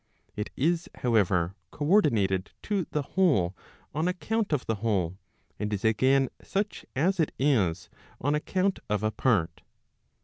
It is, however, co ordinated to the whole on account of the whole, and is again such as it is on account of a part.